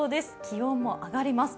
気温も上がります。